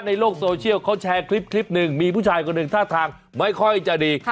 ในโลกโซเชียลเขาแชร์คลิปหนึ่งมีผู้ชายคนหนึ่งท่าทางไม่ค่อยจะดี